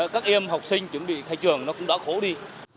các em học sinh chuẩn bị thay trường nó cũng đã khổ đi